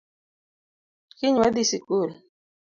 Kiny wadhii sikul